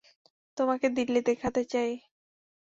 তোমাকে দিল্লি দেখাতে চাই।